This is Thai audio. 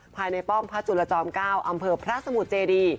ป้อมพระจุลจอม๙อำเภอพระสมุทรเจดี